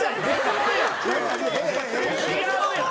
違うやん！